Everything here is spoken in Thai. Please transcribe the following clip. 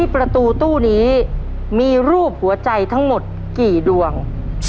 ประตูตู้นี้มีรูปหัวใจทั้งหมดกี่ดวง